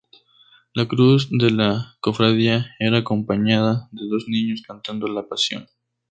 La cruz de la cofradía era acompañada de dos niños cantando la pasión.